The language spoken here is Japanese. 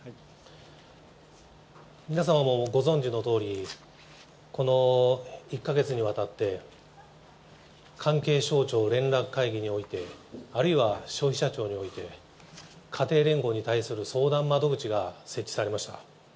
皆様もご存じのとおり、この１か月にわたって、関係省庁連絡会議において、あるいは消費者庁において、家庭連合に対する相談窓口が設置されました。